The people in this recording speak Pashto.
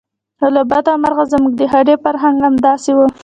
خو له بده مرغه زموږ د هډې فرهنګ همداسې و.